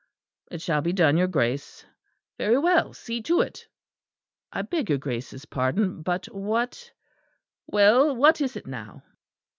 "It shall be done, your Grace." "Very well, see to it." "I beg your Grace's pardon; but what " "Well, what is it now?"